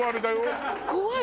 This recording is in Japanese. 怖い。